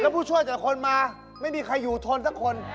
ผู้ช่วยจากคนมาไม่มีใครอยู่ทนสักคน